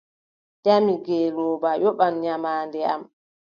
Ƴami ngeelooba: yoɓan nyamaande am.